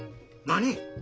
何？